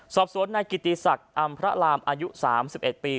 สอบสวนนายกิติศักดิ์อำพระรามอายุ๓๑ปี